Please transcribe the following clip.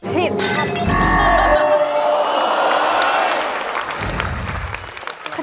ผิดครับ